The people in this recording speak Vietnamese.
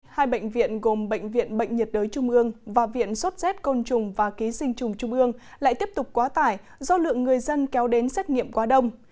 hai bệnh viện gồm bệnh viện bệnh nhiệt đới trung ương và viện sốt z côn trùng và ký sinh trùng trung ương lại tiếp tục quá tải do lượng người dân kéo đến xét nghiệm quá đông